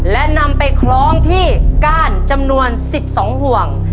และนำไปคล้องที่ก้านจำนวน๑๒ห่วง